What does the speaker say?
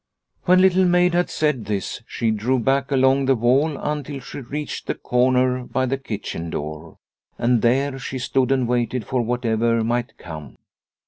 When Little Maid had said this she drew back along the wall until she reached the corner by the kitchen door, and there she stood and waited for whatever might come.